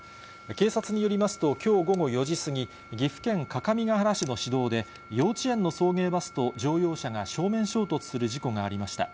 警察によりますと、きょう午後４時過ぎ、岐阜県各務原市の市道で、幼稚園の送迎バスと乗用車が正面衝突する事故がありました。